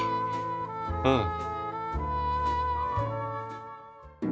うん。